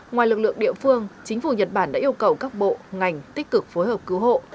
ngoài lực lượng địa phương chính phủ nhật bản đã yêu cầu các bộ ngành tích cực phối hợp cứu hộ